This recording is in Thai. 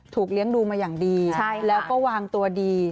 เลี้ยงดูมาอย่างดีแล้วก็วางตัวดี